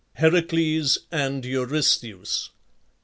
HERACLES AND EURYSTHEUS.